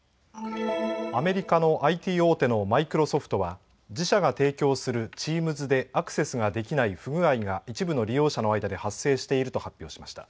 アメリカのＩＴ大手のマイクロソフトは自社が提供するチームズでアクセスができない不具合が一部の利用者の間で発生していると発表しました。